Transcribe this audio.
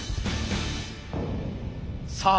さあ